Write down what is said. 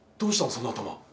その頭。